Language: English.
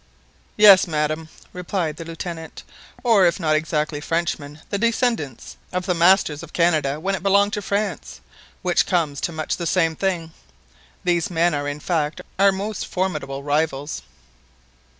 "Yes, madam," replied the Lieutenant; "or if not exactly Frenchmen, the descendants of the masters of Canada when it belonged to France, which comes to much the same thing. These men are in fact our most formidable rivals."